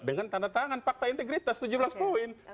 dengan tanda tangan fakta integritas tujuh belas poin